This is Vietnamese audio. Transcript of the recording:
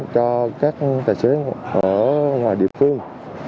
cho các tài xế ở ngoài địa phương